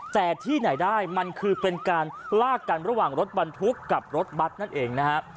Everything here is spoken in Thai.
แต่ที่ไหนได้มันคือเป็นการลากกันระหว่างรถบรรทุกกับรถบัตรนั่นเองนะฮะ